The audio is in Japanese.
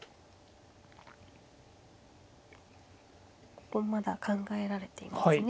ここはまだ考えられていますね。